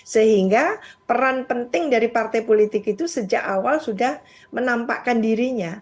sehingga peran penting dari partai politik itu sejak awal sudah menampakkan dirinya